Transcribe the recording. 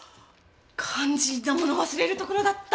肝心な物忘れるところだった。